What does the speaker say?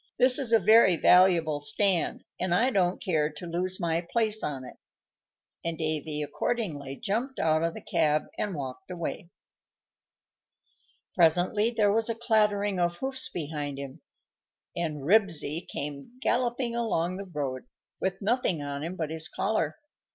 "This is a very valuable stand, and I don't care to lose my place on it;" and Davy accordingly jumped out of the cab and walked away. Presently there was a clattering of hoofs behind him, and Ribsy came galloping along the road, with nothing on him but his collar.